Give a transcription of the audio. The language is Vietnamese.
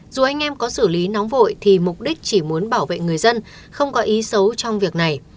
dù anh em có xử lý nóng vội thì mục đích chỉ muốn bảo vệ người dân không có ý xấu trong việc này